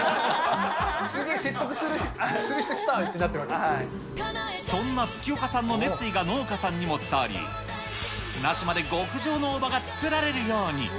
すごい説得する人、来たみたそんな月岡さんの熱意が農家さんにも伝わり、綱島で極上の大葉が作られるように。